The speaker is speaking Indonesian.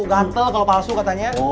gatel kalau palsu katanya